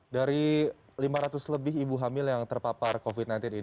dari lima ratus lebih ibu hamil yang terpapar covid sembilan belas ini